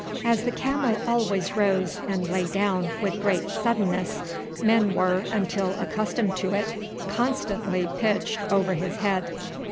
As the camel always rose and lay down with great suddenness, men were, until accustomed to it, constantly pitched over his head.